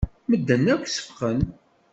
Medden akk seffqen.